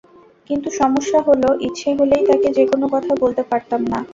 কিন্তু সমস্যা হলো, ইচ্ছে হলেই তাকে যেকোনো কথা বলতে পারতাম না।